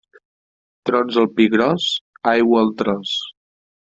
Trons al Pi Gros, aigua al tros.